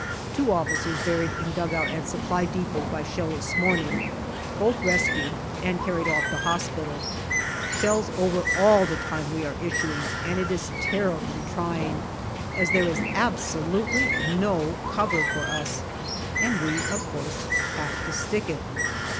Two officers buried in dugout at Supply depot by shell this morning. Both rescued and carried off to hospital. Shells over all the time we are issuing, and it is terribly trying, as there is absolutely no cover for us, and we, of course, have to stick it.